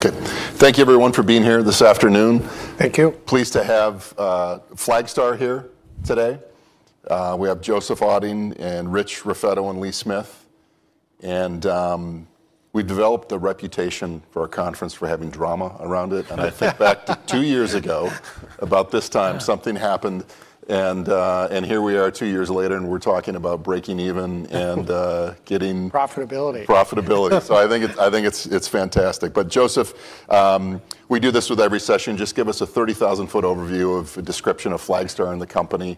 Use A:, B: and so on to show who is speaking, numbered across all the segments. A: Okay. Thank you everyone for being here this afternoon.
B: Thank you.
A: Pleased to have Flagstar here today. We have Joseph Otting, and Rich Raffetto, and Lee Smith. We've developed a reputation for our conference for having drama around it. I think back to two years ago about this time, something happened, and here we are two years later and we're talking about breaking even and getting profitability.
B: Profitability
A: I think it's fantastic. Joseph, we do this with every session. Just give us a 30,000-foot overview of a description of Flagstar and the company,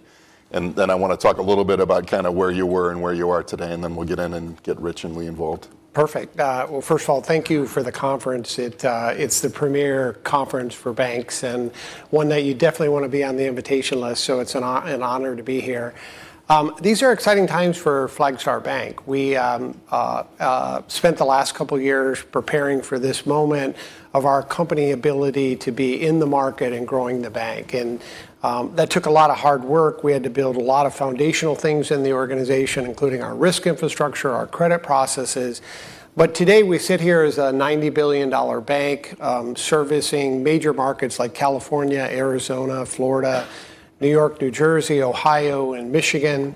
A: and then I wanna talk a little bit about kinda where you were and where you are today, and then we'll get in and get Rich and Lee involved.
B: Perfect. Well, first of all, thank you for the conference. It's the premier conference for banks, and one that you definitely wanna be on the invitation list, so it's an honor to be here. These are exciting times for Flagstar Bank. We spent the last couple years preparing for this moment of our company ability to be in the market and growing the bank, and that took a lot of hard work. We had to build a lot of foundational things in the organization, including our risk infrastructure, our credit processes. Today, we sit here as a $90 billion bank, servicing major markets like California, Arizona, Florida, New York, New Jersey, Ohio, and Michigan.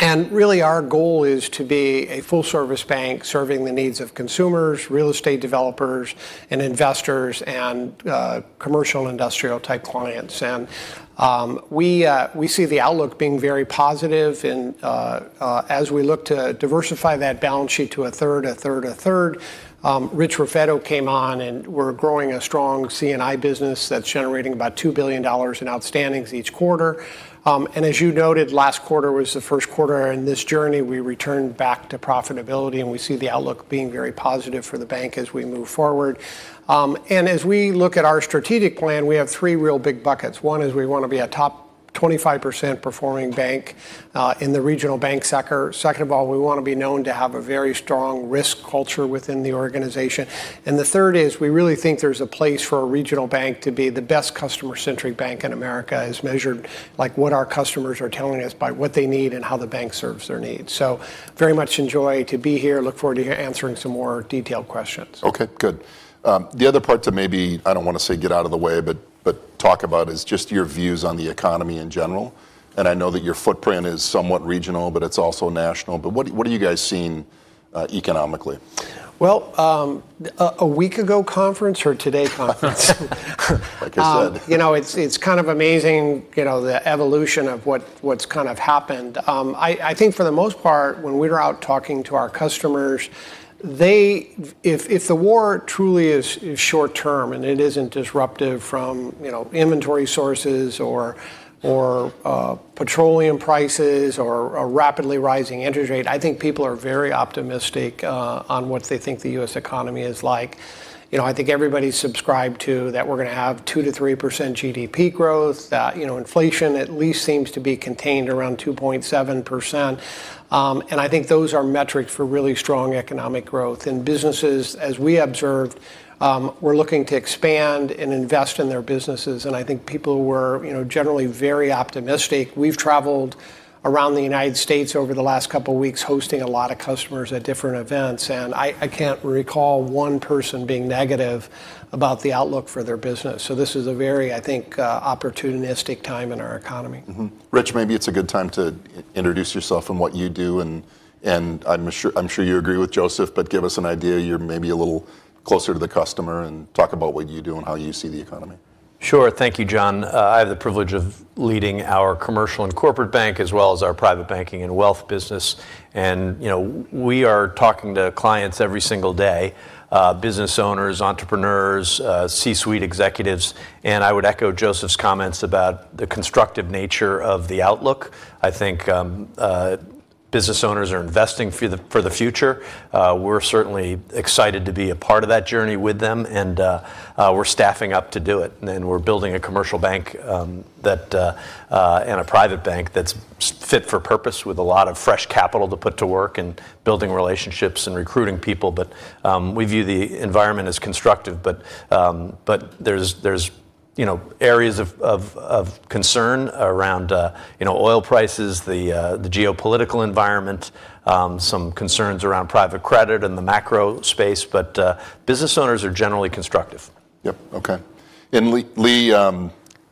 B: Really our goal is to be a full service bank serving the needs of consumers, real estate developers, and investors, and commercial and industrial type clients. We see the outlook being very positive and as we look to diversify that balance sheet to a third. Rich Raffetto came on, and we're growing a strong C&I business that's generating about $2 billion in outstandings each quarter. As you noted, last quarter was the first quarter in this journey we returned back to profitability, and we see the outlook being very positive for the bank as we move forward. As we look at our strategic plan, we have three real big buckets. One is we wanna be a top 25% performing bank in the regional bank sector. Second of all, we wanna be known to have a very strong risk culture within the organization. The third is, we really think there's a place for a regional bank to be the best customer-centric bank in America, as measured like what our customers are telling us by what they need and how the bank serves their needs. Very much enjoy to be here. Look forward to answering some more detailed questions.
A: Okay. Good. The other part to maybe, I don't wanna say get out of the way, but talk about, is just your views on the economy in general. I know that your footprint is somewhat regional, but it's also national, but what are you guys seeing, economically?
B: Well, a week ago conference or today conference?
A: Like I said.
B: You know, it's kind of amazing, you know, the evolution of what's kind of happened. I think for the most part, when we're out talking to our customers, if the war truly is short term and it isn't disruptive from, you know, inventory sources or petroleum prices or a rapidly rising interest rate, I think people are very optimistic on what they think the U.S. economy is like. You know, I think everybody's subscribed to that we're gonna have 2%-3% GDP growth. That, you know, inflation at least seems to be contained around 2.7%. I think those are metrics for really strong economic growth. Businesses, as we observed, were looking to expand and invest in their businesses, and I think people were, you know, generally very optimistic. We've traveled around the United States over the last couple weeks, hosting a lot of customers at different events, and I can't recall one person being negative about the outlook for their business. This is a very, I think, opportunistic time in our economy.
A: Rich, maybe it's a good time to introduce yourself and what you do, and I'm sure you agree with Joseph, but give us an idea. You're maybe a little closer to the customer, and talk about what you do and how you see the economy.
C: Sure. Thank you, Jon. I have the privilege of leading our Commercial & Corporate Bank, as well as our Private Banking and Wealth business. We are talking to clients every single day, business owners, entrepreneurs, C-suite executives. I would echo Joseph's comments about the constructive nature of the outlook. Business owners are investing for the future. We're certainly excited to be a part of that journey with them. We're staffing up to do it. We're building a commercial bank and a private bank that's fit for purpose with a lot of fresh capital to put to work, and building relationships and recruiting people. We view the environment as constructive. There's, you know, areas of concern around, you know, oil prices, the geopolitical environment, some concerns around private credit and the macro space. Business owners are generally constructive.
A: Yep. Okay. Lee,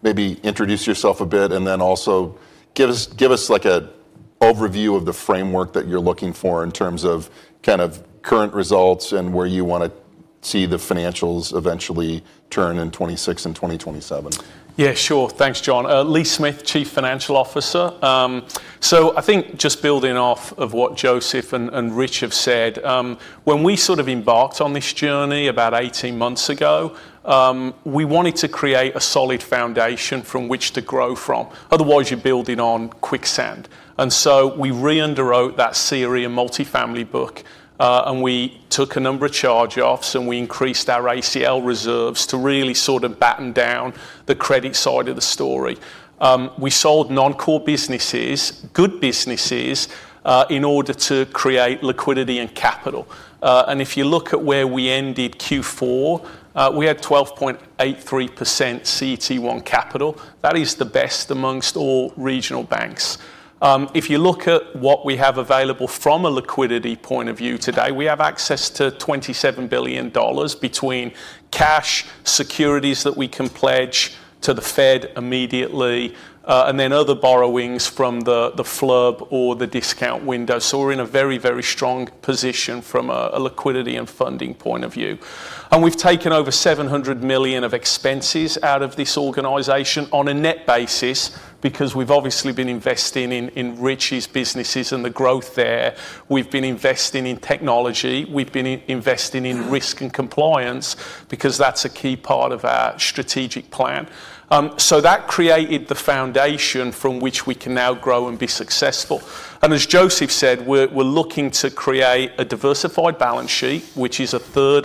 A: maybe introduce yourself a bit, and then also give us like an overview of the framework that you're looking for in terms of kind of current results and where you wanna see the financials eventually turn in 2026 and 2027.
D: Yeah, sure. Thanks, Jon. Lee Smith, Chief Financial Officer. I think just building off of what Joseph and Rich have said, when we sort of embarked on this journey about 18 months ago, we wanted to create a solid foundation from which to grow from. Otherwise, you're building on quicksand. We re-underwrote that CRE and multifamily book, and we took a number of charge-offs, and we increased our ACL reserves to really sort of batten down the credit side of the story. We sold non-core businesses, good businesses, in order to create liquidity and capital. If you look at where we ended Q4, we had 12.83% CET1 capital. That is the best amongst all regional banks. If you look at what we have available from a liquidity point of view today, we have access to $27 billion between cash securities that we can pledge to the Fed immediately, and then other borrowings from the FHLB or the discount window. We're in a very, very strong position from a liquidity and funding point of view. We've taken over $700 million of expenses out of this organization on a net basis because we've obviously been investing in Rich's businesses and the growth there. We've been investing in technology. We've been investing in risk and compliance because that's a key part of our strategic plan. That created the foundation from which we can now grow and be successful. As Joseph said, we're looking to create a diversified balance sheet, which is a third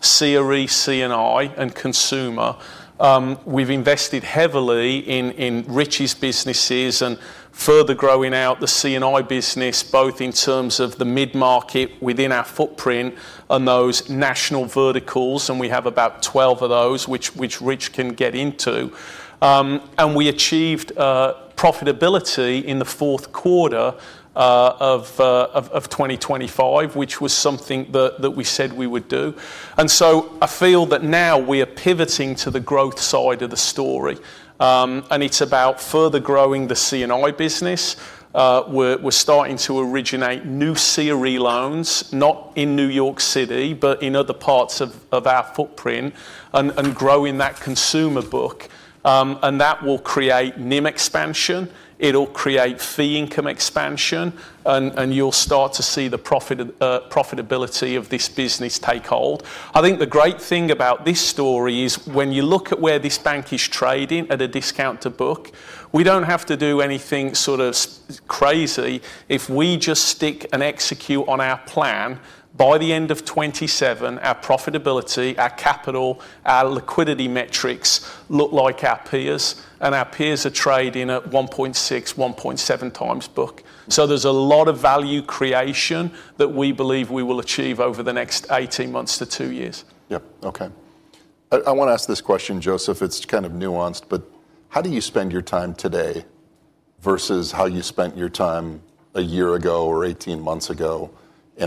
D: CRE, C&I, and consumer. We've invested heavily in Rich's businesses and further growing out the C&I business, both in terms of the mid-market within our footprint and those national verticals, and we have about 12 of those, which Rich can get into. We achieved profitability in the fourth quarter of 2025, which was something that we said we would do. I feel that now we are pivoting to the growth side of the story. It's about further growing the C&I business. We're starting to originate new CRE loans, not in New York City, but in other parts of our footprint, and growing that consumer book. That will create NIM expansion. It'll create fee income expansion, and you'll start to see the profit, profitability of this business take hold. I think the great thing about this story is when you look at where this bank is trading at a discount to book, we don't have to do anything sort of crazy. If we just stick and execute on our plan, by the end of 2027, our profitability, our capital, our liquidity metrics look like our peers. Our peers are trading at 1.6, 1.7 times book. There's a lot of value creation that we believe we will achieve over the next 18 months to two years.
A: Yeah. Okay. I wanna ask this question, Joseph. It's kind of nuanced, but how do you spend your time today versus how you spent your time a year ago or 18 months ago?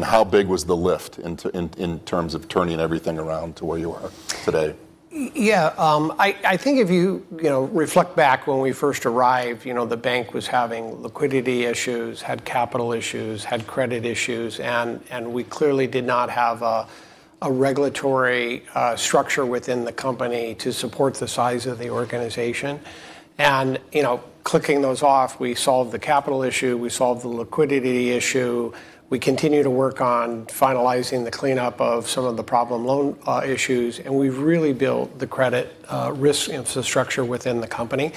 A: How big was the lift in terms of turning everything around to where you are today?
B: Yeah. I think if you know, reflect back when we first arrived, you know, the bank was having liquidity issues, had capital issues, had credit issues, and we clearly did not have a regulatory structure within the company to support the size of the organization. You know, clicking those off, we solved the capital issue, we solved the liquidity issue, we continue to work on finalizing the cleanup of some of the problem loan issues, and we've really built the credit risk infrastructure within the company.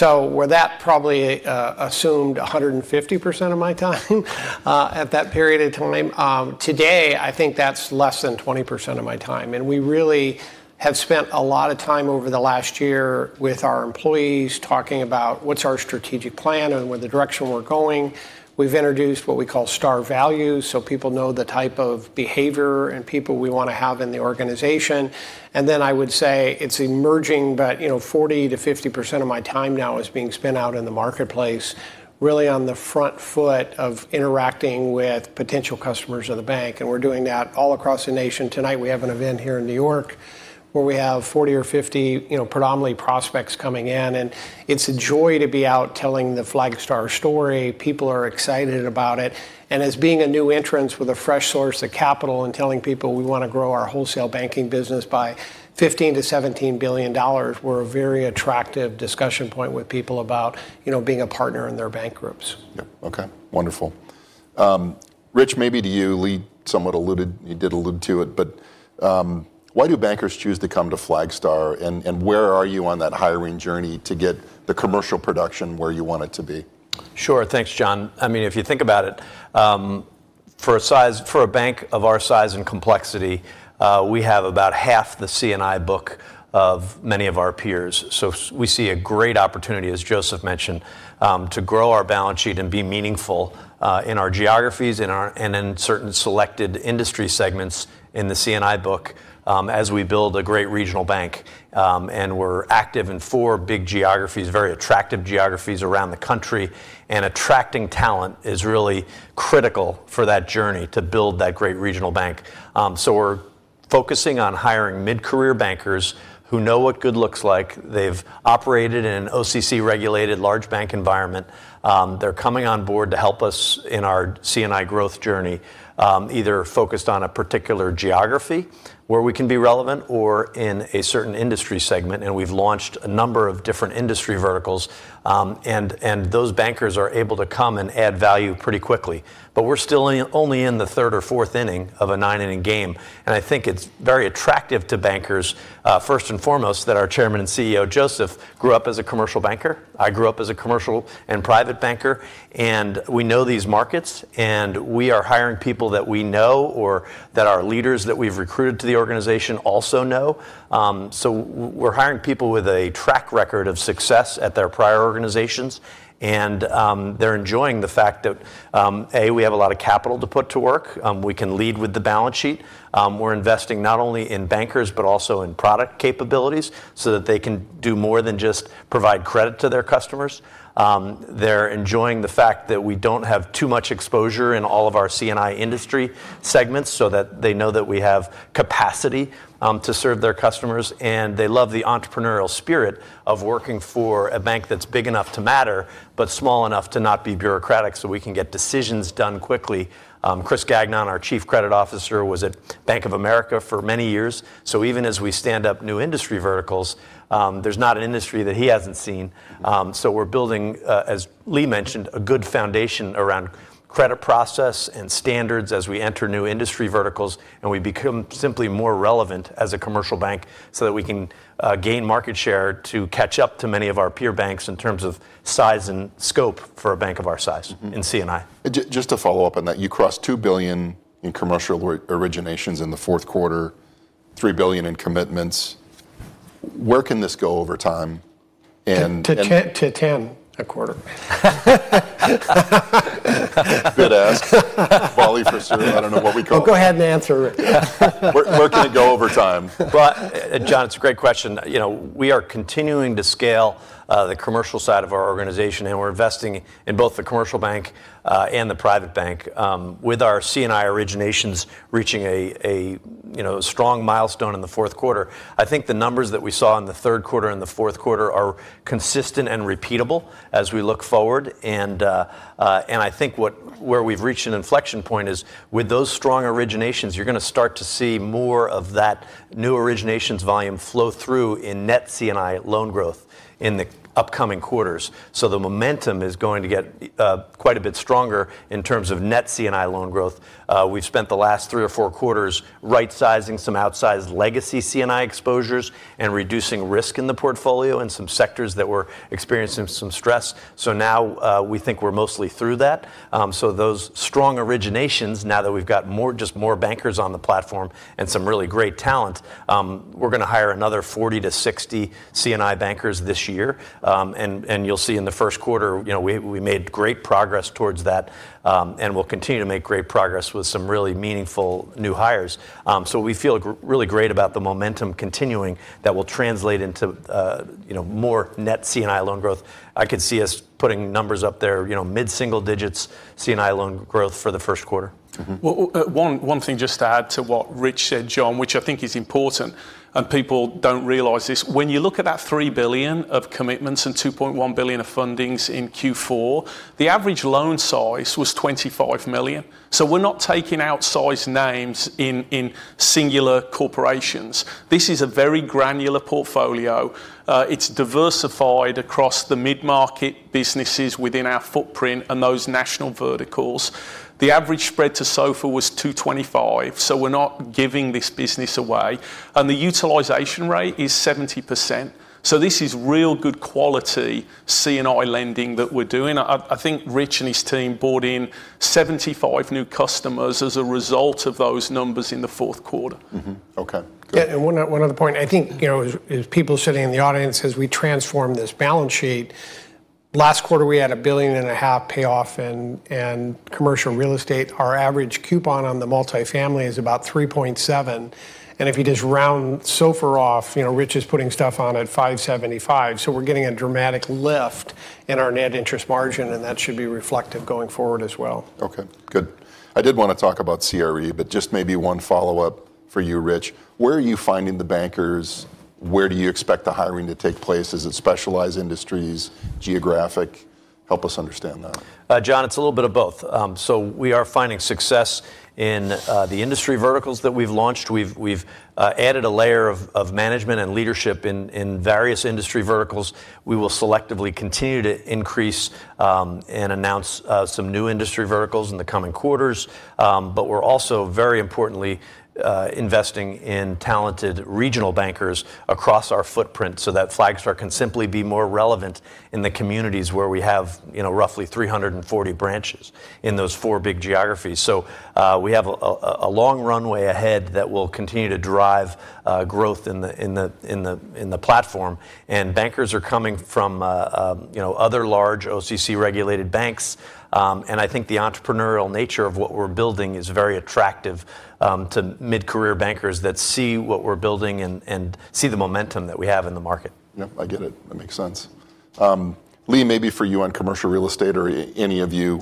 B: Where that probably assumed 150% of my time at that period in time. Today, I think that's less than 20% of my time. We really have spent a lot of time over the last year with our employees talking about what's our strategic plan and where the direction we're going. We've introduced what we call STAR Values, so people know the type of behavior and people we wanna have in the organization. Then I would say it's emerging, but, you know, 40%-50% of my time now is being spent out in the marketplace, really on the front foot of interacting with potential customers of the bank. We're doing that all across the nation. Tonight, we have an event here in New York where we have 40 or 50, you know, predominantly prospects coming in. It's a joy to be out telling the Flagstar story. People are excited about it. As being a new entrant with a fresh source of capital and telling people we wanna grow our wholesale banking business by $15 billion-$17 billion, we're a very attractive discussion point with people about, you know, being a partner in their bank groups.
A: Yeah. Okay. Wonderful. Rich, maybe to you, Lee somewhat alluded. He did allude to it, but why do bankers choose to come to Flagstar? Where are you on that hiring journey to get the commercial production where you want it to be?
C: Sure. Thanks, Jon. I mean, if you think about it, for a bank of our size and complexity, we have about half the C&I book of many of our peers. We see a great opportunity, as Joseph mentioned, to grow our balance sheet and be meaningful in our geographies and in certain selected industry segments in the C&I book, as we build a great regional bank. We're active in four big geographies, very attractive geographies around the country. Attracting talent is really critical for that journey to build that great regional bank. We're Focusing on hiring mid-career bankers who know what good looks like. They've operated in an OCC-regulated large bank environment. They're coming on board to help us in our C&I growth journey, either focused on a particular geography where we can be relevant or in a certain industry segment, and we've launched a number of different industry verticals, and those bankers are able to come and add value pretty quickly. We're still only in the third or fourth inning of a nine-inning game, and I think it's very attractive to bankers, first and foremost, that our chairman and CEO, Joseph, grew up as a commercial banker. I grew up as a commercial and private banker, and we know these markets, and we are hiring people that we know or that our leaders that we've recruited to the organization also know. We're hiring people with a track record of success at their prior organizations, and they're enjoying the fact that A, we have a lot of capital to put to work. We can lead with the balance sheet. We're investing not only in bankers but also in product capabilities so that they can do more than just provide credit to their customers. They're enjoying the fact that we don't have too much exposure in all of our C&I industry segments so that they know that we have capacity to serve their customers, and they love the entrepreneurial spirit of working for a bank that's big enough to matter but small enough to not be bureaucratic, so we can get decisions done quickly. Kris Gagnon, our Chief Credit Officer, was at Bank of America for many years. Even as we stand up new industry verticals, there's not an industry that he hasn't seen. We're building, as Lee mentioned, a good foundation around credit process and standards as we enter new industry verticals, and we become simply more relevant as a commercial bank so that we can gain market share to catch up to many of our peer banks in terms of size and scope for a bank of our size in C&I.
A: Just to follow up on that, you crossed $2 billion in commercial originations in the fourth quarter, $3 billion in commitments. Where can this go over time?
B: To $10 billion a quarter.
A: Good ask. Volley for serve. I don't know what we call it.
B: Well, go ahead and answer it.
A: Where can it go over time?
C: Well, Jon, it's a great question. You know, we are continuing to scale the commercial side of our organization, and we're investing in both the commercial bank and the private bank. With our C&I originations reaching a strong milestone in the fourth quarter, I think the numbers that we saw in the third quarter and the fourth quarter are consistent and repeatable as we look forward. I think where we've reached an inflection point is with those strong originations, you're gonna start to see more of that new originations volume flow through in net C&I loan growth in the upcoming quarters. The momentum is going to get quite a bit stronger in terms of net C&I loan growth. We've spent the last three or four quarters right-sizing some outsized legacy C&I exposures and reducing risk in the portfolio in some sectors that were experiencing some stress. Now we think we're mostly through that. Those strong originations, now that we've got more, just more bankers on the platform and some really great talent, we're gonna hire another 40-60 C&I bankers this year. You'll see in the first quarter, you know, we made great progress towards that, and we'll continue to make great progress with some really meaningful new hires. We feel really great about the momentum continuing that will translate into, you know, more net C&I loan growth. I could see us putting numbers up there, you know, mid-single digits C&I loan growth for the first quarter.
A: Mm-hmm.
D: Well, one thing just to add to what Rich said, Jon, which I think is important, and people don't realize this. When you look at that $3 billion of commitments and $2.1 billion of fundings in Q4, the average loan size was $25 million. We're not taking outsize names in singular corporations. This is a very granular portfolio. It's diversified across the mid-market businesses within our footprint and those national verticals. The average spread to SOFR was 225, so we're not giving this business away. The utilization rate is 70%, so this is real good quality C&I lending that we're doing. I think Rich and his team brought in 75 new customers as a result of those numbers in the fourth quarter.
A: Mm-hmm. Okay. Good.
B: Yeah, one other point. I think, you know, as people sitting in the audience, as we transform this balance sheet, last quarter we had a $1.5 billion payoff in commercial real estate. Our average coupon on the multifamily is about 3.7%, and if you just round SOFR off, you know, Rich is putting stuff on at 5.75%, so we're getting a dramatic lift in our net interest margin, and that should be reflective going forward as well.
A: Okay. Good. I did wanna talk about CRE, but just maybe one follow-up for you, Rich. Where are you finding the bankers? Where do you expect the hiring to take place? Is it specialized industries, geographic? Help us understand that.
C: Jon, it's a little bit of both. We are finding success in the industry verticals that we've launched. We've added a layer of management and leadership in various industry verticals. We will selectively continue to increase and announce some new industry verticals in the coming quarters. We're also very importantly investing in talented regional bankers across our footprint so that Flagstar can simply be more relevant in the communities where we have, you know, roughly 340 branches in those four big geographies. We have a long runway ahead that will continue to drive growth in the platform. Bankers are coming from, you know, other large OCC-regulated banks, and I think the entrepreneurial nature of what we're building is very attractive, to mid-career bankers that see what we're building and see the momentum that we have in the market.
A: Yep. I get it. That makes sense. Lee, maybe for you on commercial real estate or any of you.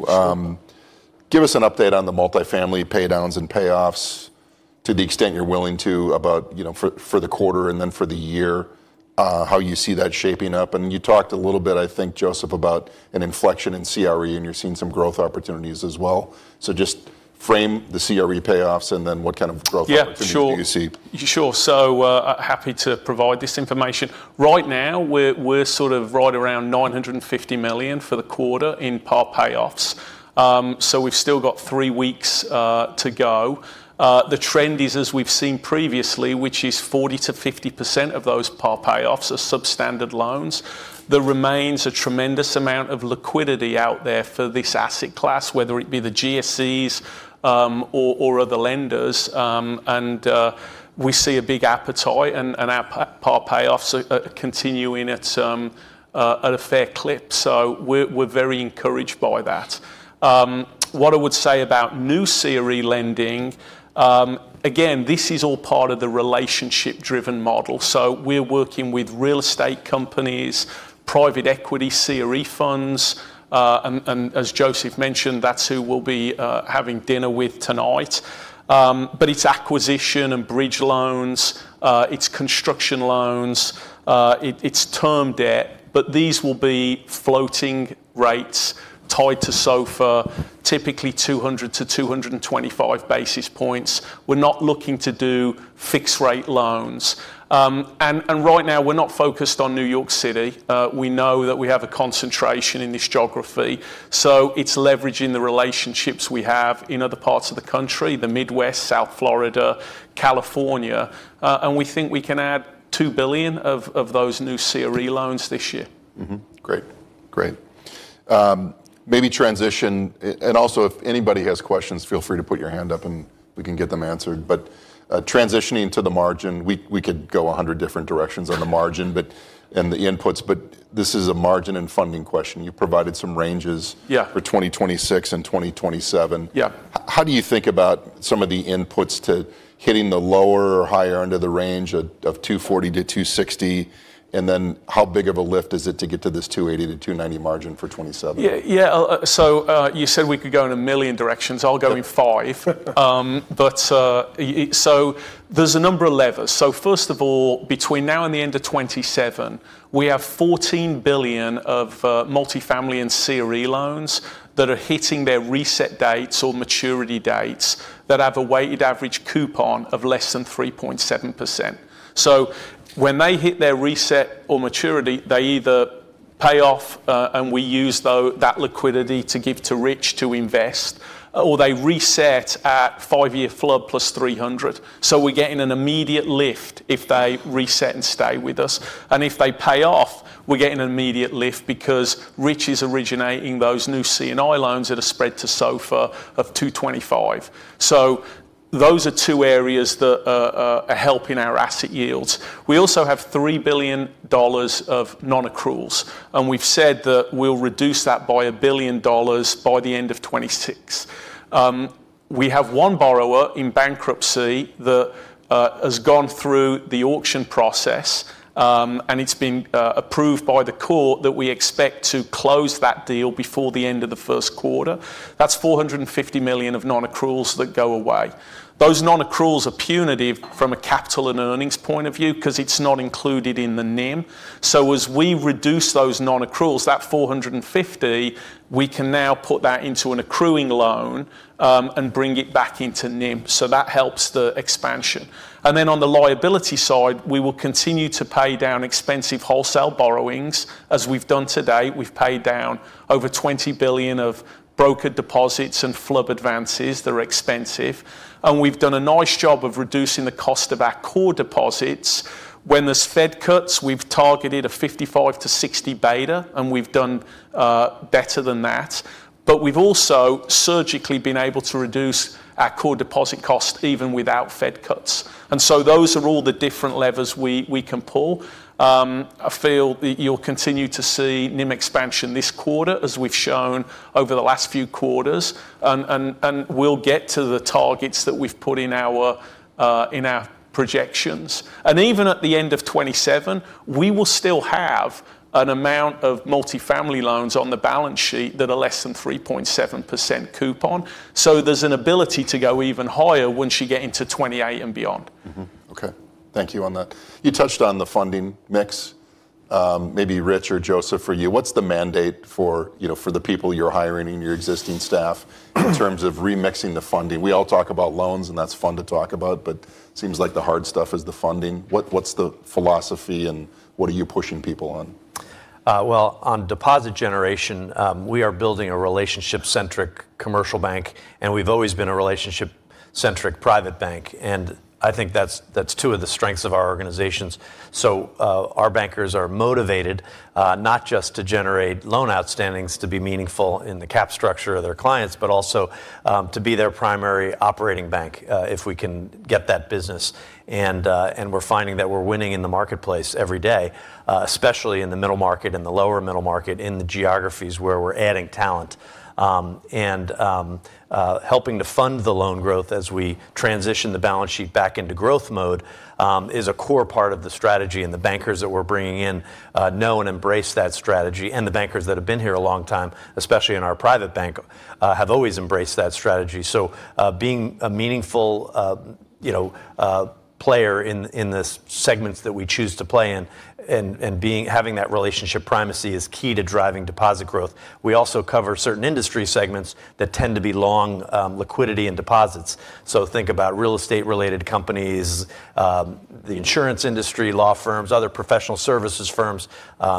A: Give us an update on the multifamily paydowns and payoffs to the extent you're willing to about, you know, for the quarter and then for the year, how you see that shaping up. You talked a little bit, I think, Joseph, about an inflection in CRE, and you're seeing some growth opportunities as well. Just frame the CRE payoffs and then what kind of growth opportunities you see.
D: Yeah, sure. Happy to provide this information. Right now, we're sort of right around $950 million for the quarter in par payoffs. We've still got three weeks to go. The trend is as we've seen previously, which is 40%-50% of those par payoffs are substandard loans. There remains a tremendous amount of liquidity out there for this asset class, whether it be the GSEs or other lenders. We see a big appetite and our par payoffs continuing at a fair clip. We're very encouraged by that. What I would say about new CRE lending, again, this is all part of the relationship-driven model. We're working with real estate companies, private equity CRE funds, and as Joseph mentioned, that's who we'll be having dinner with tonight. It's acquisition and bridge loans, it's construction loans, it's term debt, but these will be floating rates tied to SOFR, typically 200-225 basis points. We're not looking to do fixed rate loans. Right now we're not focused on New York City. We know that we have a concentration in this geography, so it's leveraging the relationships we have in other parts of the country, the Midwest, South Florida, California, and we think we can add $2 billion of those new CRE loans this year.
A: Great. If anybody has questions, feel free to put your hand up, and we can get them answered. Transitioning to the margin, we could go a hundred different directions on the margin, but this is a margin and funding question. You provided some ranges for 2026 and 2027.
D: Yeah.
A: How do you think about some of the inputs to hitting the lower or higher end of the range of 2.40%-2.60%? How big of a lift is it to get to this 2.80%-2.90% margin for 2027?
D: You said we could go in a million directions. I'll go in five. There's a number of levers. First of all, between now and the end of 2027, we have $14 billion of multifamily and CRE loans that are hitting their reset dates or maturity dates that have a weighted average coupon of less than 3.7%. When they hit their reset or maturity, they either pay off and we use that liquidity to give to Rich to invest, or they reset at five-year FHLB plus 300. We're getting an immediate lift if they reset and stay with us. If they pay off, we're getting an immediate lift because Rich is originating those new C&I loans that are spread to SOFR of 225. Those are two areas that are helping our asset yields. We also have $3 billion of non-accruals, and we've said that we'll reduce that by $1 billion by the end of 2026. We have one borrower in bankruptcy that has gone through the auction process, and it's been approved by the court that we expect to close that deal before the end of the first quarter. That's $450 million of non-accruals that go away. Those non-accruals are punitive from a capital and earnings point of view because it's not included in the NIM. As we reduce those non-accruals, that $450 million, we can now put that into an accruing loan, and bring it back into NIM. That helps the expansion. Then on the liability side, we will continue to pay down expensive wholesale borrowings. As we've done to date, we've paid down over $20 billion of brokered deposits and FHLB advances that are expensive. We've done a nice job of reducing the cost of our core deposits. When the Fed cuts, we've targeted a 55-60 beta, and we've done better than that. We've also surgically been able to reduce our core deposit cost even without Fed cuts. Those are all the different levers we can pull. I feel that you'll continue to see NIM expansion this quarter, as we've shown over the last few quarters, and we'll get to the targets that we've put in our projections. Even at the end of 2027, we will still have an amount of multifamily loans on the balance sheet that are less than 3.7% coupon. There's an ability to go even higher once you get into 2028 and beyond.
A: Mm-hmm. Okay. Thank you on that. You touched on the funding mix. Maybe Rich or Joseph, for you, what's the mandate for, you know, for the people you're hiring and your existing staff in terms of remixing the funding? We all talk about loans, and that's fun to talk about, but seems like the hard stuff is the funding. What's the philosophy, and what are you pushing people on?
C: Well, on deposit generation, we are building a relationship-centric commercial bank, and we've always been a relationship-centric private bank. I think that's two of the strengths of our organizations. Our bankers are motivated, not just to generate loan outstandings to be meaningful in the capital structure of their clients, but also to be their primary operating bank, if we can get that business. We're finding that we're winning in the marketplace every day, especially in the middle market and the lower middle market in the geographies where we're adding talent. Helping to fund the loan growth as we transition the balance sheet back into growth mode is a core part of the strategy. The bankers that we're bringing in know and embrace that strategy. The bankers that have been here a long time, especially in our private bank, have always embraced that strategy. Being a meaningful player in the segments that we choose to play in and having that relationship primacy is key to driving deposit growth. We also cover certain industry segments that tend to be long on liquidity and deposits. Think about real estate related companies, the insurance industry, law firms, other professional services firms,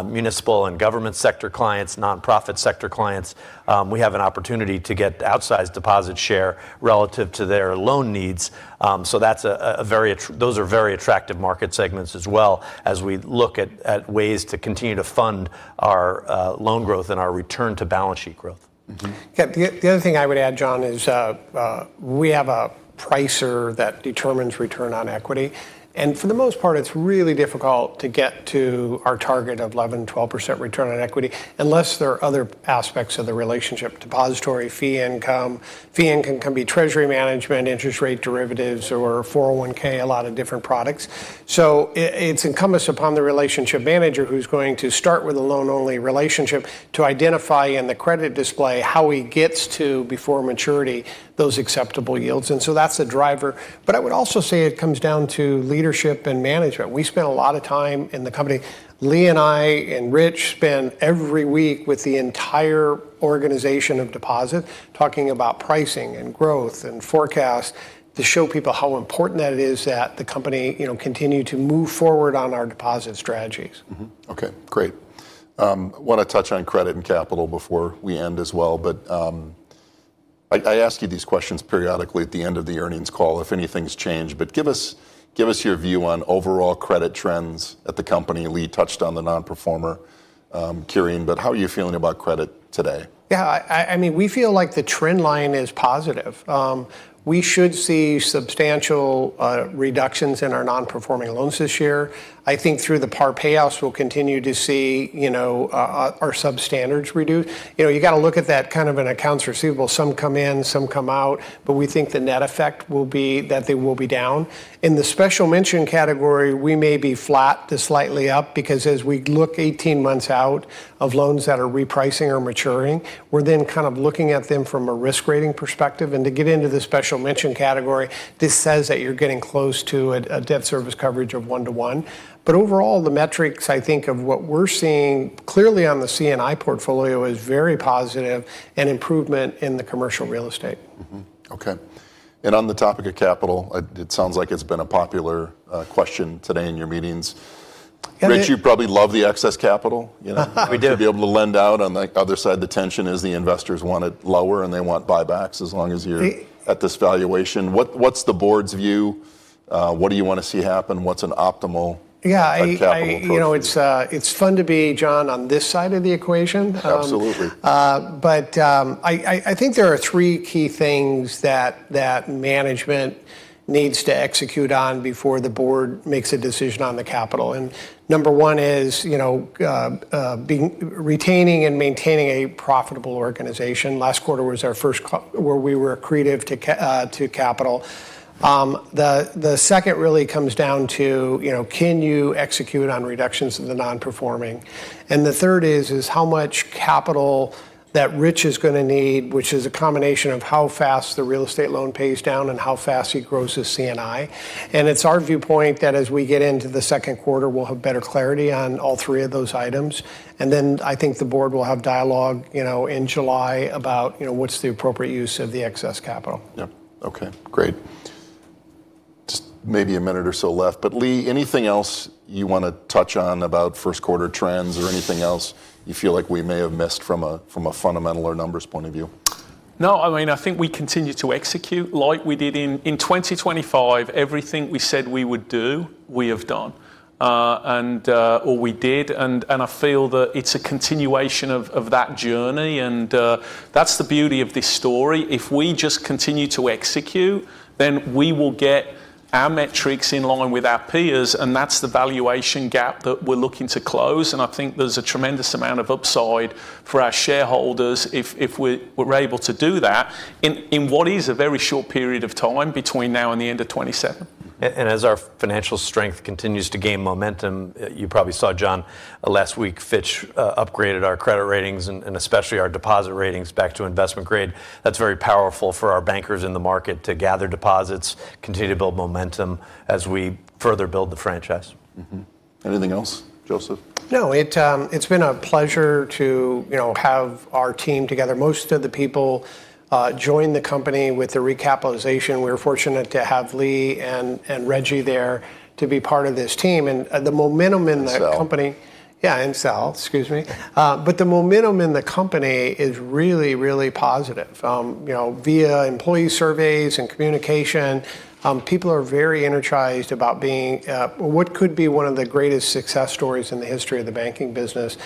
C: municipal and government sector clients, nonprofit sector clients. We have an opportunity to get outsized deposit share relative to their loan needs. Those are very attractive market segments as we look at ways to continue to fund our loan growth and our return to balance sheet growth.
A: Mm-hmm.
B: Yeah. The other thing I would add, Jon, is we have a pricer that determines return on equity. For the most part, it's really difficult to get to our target of 11%-12% return on equity unless there are other aspects of the relationship. Depository fee income. Fee income can be treasury management, interest rate derivatives or 401(k). A lot of different products. It's incumbent upon the relationship manager who's going to start with a loan-only relationship to identify in the credit display how he gets to, before maturity, those acceptable yields. That's the driver. I would also say it comes down to leadership and management. We spend a lot of time in the company. Lee and I and Rich spend every week with the entire organization of deposit, talking about pricing and growth and forecast to show people how important that it is that the company, you know, continue to move forward on our deposit strategies.
A: Okay. Great. Want to touch on credit and capital before we end as well. I ask you these questions periodically at the end of the earnings call if anything's changed. Give us your view on overall credit trends at the company. Lee touched on the nonperforming curing. How are you feeling about credit today?
B: Yeah, I mean, we feel like the trend line is positive. We should see substantial reductions in our non-performing loans this year. I think through the par payoffs, we'll continue to see, you know, our sub-standards reduced. You know, you gotta look at that kind of in accounts receivable. Some come in, some come out. But we think the net effect will be that they will be down. In the special mention category, we may be flat to slightly up because as we look 18 months out of loans that are repricing or maturing, we're then kind of looking at them from a risk rating perspective. To get into the special mention category, this says that you're getting close to a debt service coverage of one to one. Overall, the metrics I think of what we're seeing clearly on the C&I portfolio is very positive, an improvement in the commercial real estate.
A: Okay. On the topic of capital, it sounds like it's been a popular question today in your meetings. Rich, you probably love the excess capital, you know.
C: We do.
A: To be able to lend out. On the other side, the tension is the investors want it lower, and they want buybacks as long as you're at this valuation. What's the board's view? What do you wanna see happen? What's an optimal capital approach?
B: You know, it's fun to be, Jon, on this side of the equation.
A: Absolutely.
B: I think there are three key things that management needs to execute on before the board makes a decision on the capital. Number one is retaining and maintaining a profitable organization. Last quarter was our first quarter where we were accretive to capital. The second really comes down to can you execute on reductions in the non-performing? The third is how much capital that Rich is gonna need, which is a combination of how fast the real estate loan pays down and how fast he grows his C&I. It's our viewpoint that as we get into the second quarter, we'll have better clarity on all three of those items. I think the board will have dialogue, you know, in July about, you know, what's the appropriate use of the excess capital.
A: Yeah. Okay. Great. Just maybe a minute or so left. Lee, anything else you wanna touch on about first quarter trends or anything else you feel like we may have missed from a fundamental or numbers point of view?
D: No. I mean, I think we continue to execute like we did in 2025. Everything we said we would do, we have done or we did. I feel that it's a continuation of that journey. That's the beauty of this story. If we just continue to execute, then we will get our metrics in line with our peers, and that's the valuation gap that we're looking to close. I think there's a tremendous amount of upside for our shareholders if we're able to do that in what is a very short period of time between now and the end of 2027.
C: As our financial strength continues to gain momentum, you probably saw, Jon, last week Fitch upgraded our credit ratings and especially our deposit ratings back to investment grade. That's very powerful for our bankers in the market to gather deposits, continue to build momentum as we further build the franchise.
A: Anything else, Joseph?
B: No. It's been a pleasure to, you know, have our team together. Most of the people joined the company with the recapitalization. We're fortunate to have Lee and Reggie there to be part of this team. The momentum in the company.
A: Sal.
B: Sal. Excuse me. The momentum in the company is really positive. You know, via employee surveys and communication, people are very energized about being what could be one of the greatest success stories in the history of the banking business,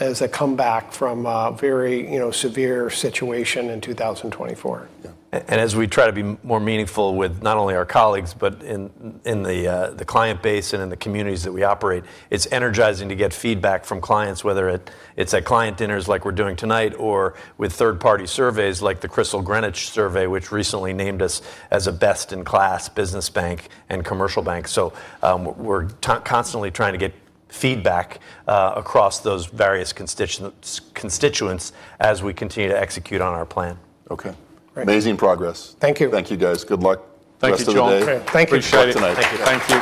B: as a comeback from a very, you know, severe situation in 2024.
A: Yeah.
C: As we try to be more meaningful with not only our colleagues, but in the client base and in the communities that we operate, it's energizing to get feedback from clients, whether it's at client dinners like we're doing tonight or with third party surveys like the Crisil Greenwich survey, which recently named us as a best in class business bank and commercial bank. We're constantly trying to get feedback across those various constituents as we continue to execute on our plan.
A: Okay.
B: Great.
A: Amazing progress.
B: Thank you.
A: Thank you, guys. Good luck.
D: Thank you, Jon.
A: The rest of the day.
B: Great. Thank you.
D: Appreciate.
A: tonight.
D: Thank you.